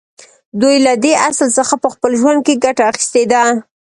دوی له دې اصل څخه په خپل ژوند کې ګټه اخیستې ده